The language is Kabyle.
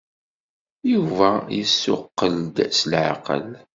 Yuba yessuqqul-d s leɛqel.